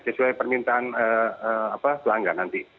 sesuai permintaan pelanggan nanti